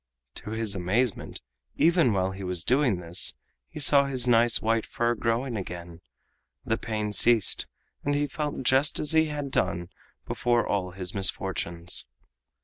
To his amazement, even while he was doing this, he saw his nice white fur growing again, the pain ceased, and he felt just as he had done before all his misfortunes.